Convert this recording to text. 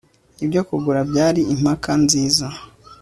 Ibyo kugura byari impaka nziza